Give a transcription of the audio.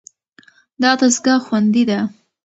دا دستګاه خوندي ده.